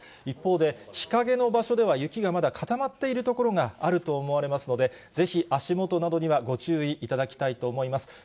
一方で、日陰の場所では、雪がまだ固まっている所があると思われますので、ぜひ足元などにはご注意いただきたいと思います。